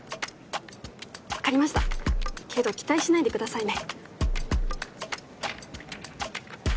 分かりましたけど期待しないでくださいね。